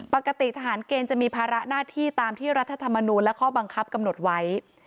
ปกติทหารเกณฑ์จะมีภาระหน้าที่ตามที่รัฐธรรมนูลและข้อบังคับกำหนดไว้